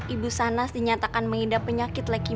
ibu sanas dinyatakan mengidap penyakit leukemia